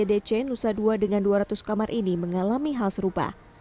di dc nusa dua dengan dua ratus kamar ini mengalami hal serupa